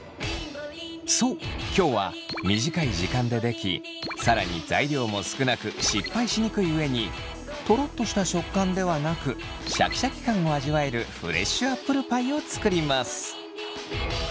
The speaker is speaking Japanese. そう今日は短い時間ででき更に材料も少なく失敗しにくい上にとろっとした食感ではなくシャキシャキ感を味わえるフレッシュアップルパイを作ります！